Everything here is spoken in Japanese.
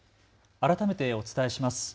改めてお伝えします。